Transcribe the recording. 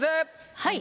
はい。